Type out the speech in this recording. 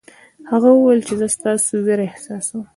هغه وویل چې زه ستاسې وېره احساسوم.